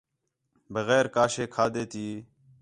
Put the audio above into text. بغیر کا شے کھادے تی